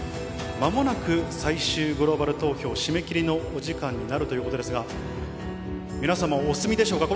まもなく最終グローバル投票締め切りのお時間になるということですが、皆様、お済みでしょうか。